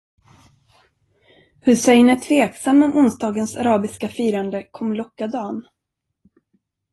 Hussein är tveksam om onsdagens arabiska firande kommer locka Dan.